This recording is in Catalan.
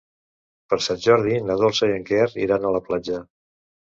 Per Sant Jordi na Dolça i en Quer iran a la platja.